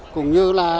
cũng như là